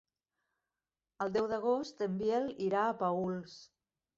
El deu d'agost en Biel irà a Paüls.